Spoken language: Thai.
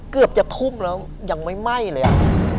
เกือบจะทุ่มแล้วยังไม่ไหม้เลยอ่ะ